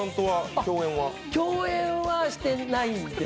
共演はしてないです。